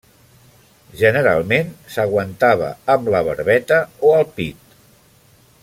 Generalment, s'aguantava amb la barbeta o al pit.